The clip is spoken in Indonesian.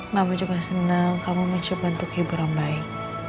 mama juga senang kamu mencoba untuk hiburan baik